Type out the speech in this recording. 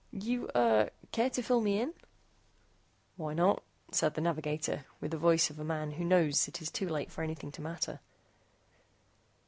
"You, er, care to fill me in?" "Why not?" said the navigator, with the voice of a man who knows that it is too late for anything to matter.